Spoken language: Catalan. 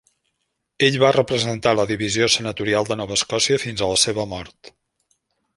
Ell va representar la divisió senatorial de Nova Escòcia fins a la seva mort.